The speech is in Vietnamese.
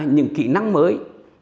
những kỹ năng mới